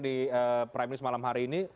di prime news malam hari ini